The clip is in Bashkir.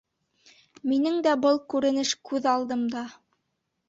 Минең дә был күренеш күҙ алдымда.